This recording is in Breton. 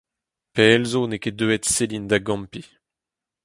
Pell zo n’eo ket deuet Selin da gampiñ.